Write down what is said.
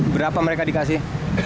berapa mereka dikasih